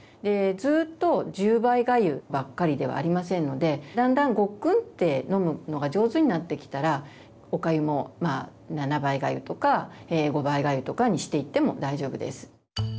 ずっと１０倍がゆばっかりではありませんのでだんだんごっくんって飲むのが上手になってきたらおかゆも７倍がゆとか５倍がゆとかにしていっても大丈夫です。